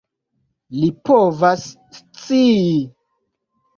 Li povas scii.